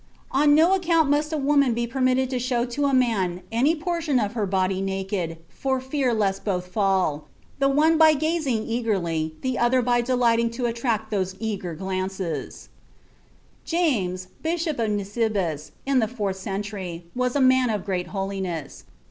On no account must a woman be permitted to show to a man any portion of her body naked, for fear lest both fall: the one by gazing eagerly, the other by delighting to attract those eager glances." (Pædagogus, Book II, Chapter V.) James, Bishop of Nisibis, in the fourth century, was a man of great holiness.